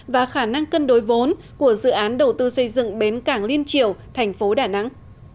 và khả năng cân đối vốn của dự án đầu tư xây dựng bến cảng liên triều thành phố đà nẵng